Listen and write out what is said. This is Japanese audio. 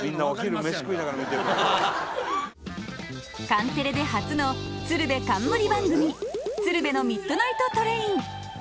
カンテレで初の鶴瓶冠番組「鶴瓶のミッドナイトトレイン」。